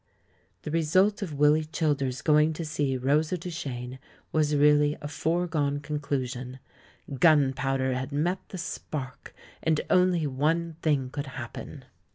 The result of Willy Childers' going to see Rosa Duchene was really a foregone conclusion; gun powder had met the spark and only one thing could happen